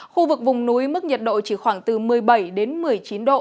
khu vực vùng núi mức nhiệt độ chỉ khoảng từ một mươi bảy đến một mươi chín độ